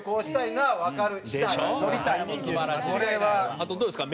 あとどうですか？